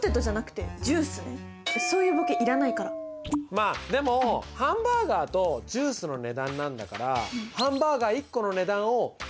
まあでもハンバーガーとジュースの値段なんだからおっすごい！